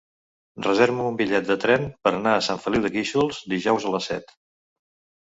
Reserva'm un bitllet de tren per anar a Sant Feliu de Guíxols dijous a les set.